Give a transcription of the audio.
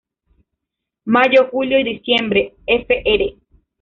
Mayo-julio y diciembre, fr.